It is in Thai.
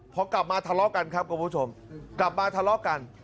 พอกลับมาทะเลาะกันครับคุณผู้ชมกลับมาทะเลาะกัน